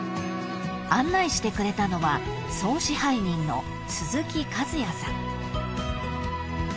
［案内してくれたのは総支配人の鈴木和也さん］